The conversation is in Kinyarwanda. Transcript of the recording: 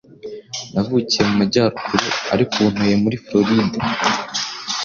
Navukiye mu majyaruguru, ariko ubu ntuye muri Floride.